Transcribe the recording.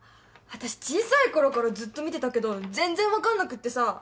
私小さいころからずっと見てたけど全然分かんなくってさ。